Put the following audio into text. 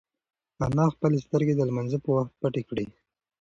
انا خپلې سترگې د لمانځه په وخت پټې کړې.